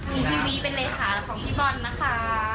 มีพี่วิเป็นเลขาของพี่บอลนะคะ